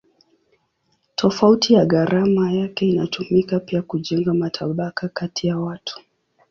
Tofauti ya gharama yake inatumika pia kujenga matabaka kati ya watu.